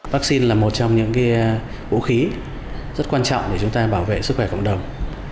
vaccine là một trong những vũ khí rất quan trọng để chúng ta bảo vệ sức khỏe cộng đồng